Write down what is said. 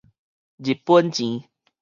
日本錢